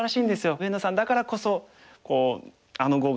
上野さんだからこそあの碁が見れた。